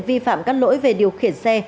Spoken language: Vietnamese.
vi phạm các lỗi về điều khiển xe